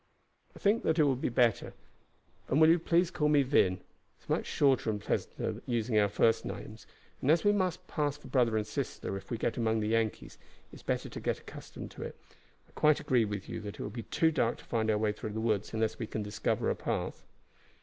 "I think that it will be better; and will you please call me Vin. It is much shorter and pleasanter using our first names; and as we must pass for brother and sister if we get among the Yankees, it is better to get accustomed to it. I quite agree with you that it will be too dark to find our way through the woods unless we can discover a path.